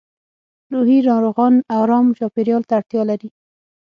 روحي ناروغان ارام چاپېریال ته اړتیا لري